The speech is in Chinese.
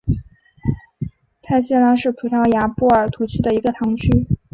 泰谢拉是葡萄牙波尔图区的一个堂区。